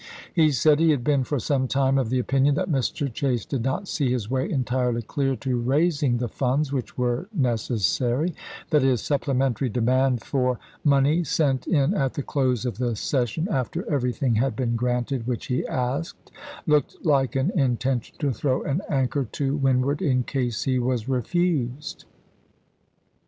He said he had been for some time of the opinion that Mr. Chase did not see his way entirely clear to raising the funds which were necessary; that his supplementary demand for Vol. IX.— 7 98 ABKAHAM LINCOLN chap. iv. money sent in at the close of the session after everything had been granted which he asked, looked like an intention to throw an anchor to windward in case he was refused.